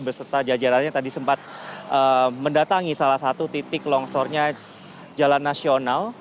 beserta jajarannya tadi sempat mendatangi salah satu titik longsornya jalan nasional